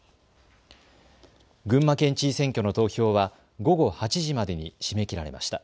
群馬県知事選挙の投票は午後８時までに締め切られました。